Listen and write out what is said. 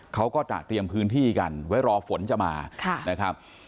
เขาก็จะเตรียมพื้นที่กันไว้รอฝนจะมานะครับ